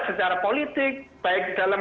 secara politik baik dalam